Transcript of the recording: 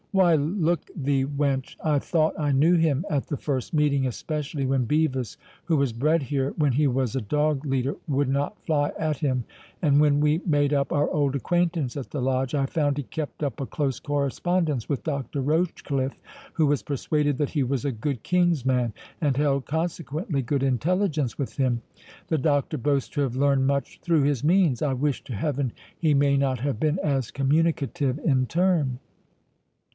"Why look thee, wench, I thought I knew him at the first meeting especially when Bevis, who was bred here when he was a dog leader, would not fly at him; and when we made up our old acquaintance at the Lodge, I found he kept up a close correspondence with Doctor Rochecliffe, who was persuaded that he was a good King's man, and held consequently good intelligence with him.—The doctor boasts to have learned much through his means; I wish to Heaven he may not have been as communicative in turn."